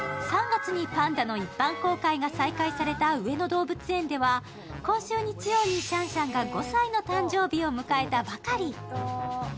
３月にパンダの一般公開が再開された上野動物園では今週日曜にシャンシャンが５歳の誕生日を迎えたばかり。